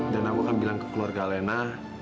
dan aku akan bilang ke keluarga alena